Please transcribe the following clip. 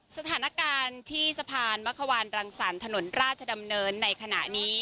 สถานการณ์ที่สะพานมะควานรังสรรค์ถนนราชดำเนินในขณะนี้